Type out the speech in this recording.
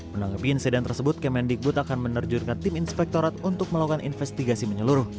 menanggapi insiden tersebut kemendikbud akan menerjurkan tim inspektorat untuk melakukan investigasi menyeluruh